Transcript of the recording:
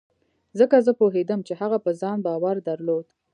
ځکه زه پوهېدم چې هغه په ځان باور درلود.